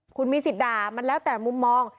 คุณมีสิทธิ์ด่ามันแล้วแต่มุมมอง